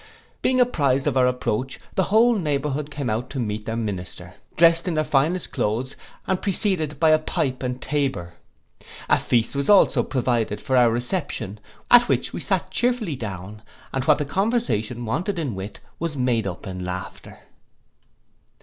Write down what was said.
Being apprized of our approach, the whole neighbourhood came out to meet their minister, drest in their finest cloaths, and preceded by a pipe and tabor: A feast also was provided for our reception, at which we sat cheerfully down; and what the conversation wanted in wit, was made up in laughter.